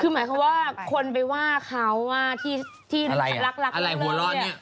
คือหมายความว่าคนไปว่าเขาที่รักเรื่องนี้